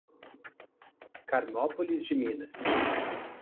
Carmópolis de Minas